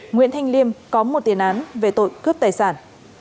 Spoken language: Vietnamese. nguyễn thanh liêm có một tiền án về tội cướp tài sản